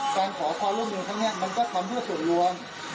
การขอความร่วมมือทั้งแหงมันก็ความเพื่อส่วนล้วน